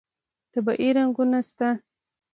طبیعي رنګونه شته.